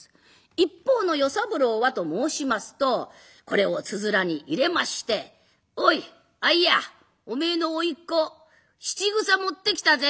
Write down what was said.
一方の与三郎はと申しますとこれをつづらに入れまして「おいあいやお前のおいっ子質ぐさ持ってきたぜ。